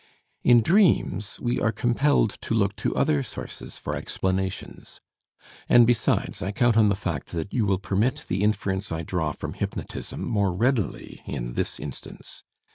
In dreams we are compelled to look to other sources for explanations; and besides, I count on the fact that you will permit the inference I draw from hypnotism more readily in this instance.